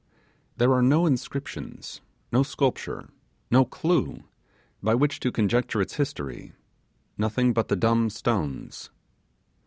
There are no inscriptions, no sculpture, no clue, by which to conjecture its history; nothing but the dumb stones.